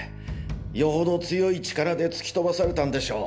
よほど強い力で突き飛ばされたんでしょう。